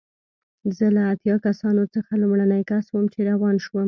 زه له اتیا کسانو څخه لومړنی کس وم چې روان شوم.